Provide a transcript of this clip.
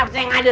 saya nggak ada